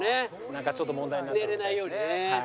なんかちょっと問題になって。